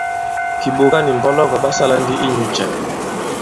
Kìɓòga nì mbɔlɔgɔ̀ ɓa sālā ndi inyū cɛ̄ ?